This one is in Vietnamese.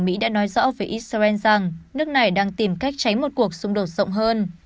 mỹ đã nói rõ với israel rằng nước này đang tìm cách tránh một cuộc xung đột rộng hơn